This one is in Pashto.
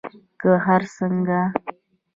که هر څنګه